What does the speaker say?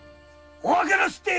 お開けなすって！